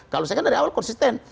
kalau saya kan dari awal konsisten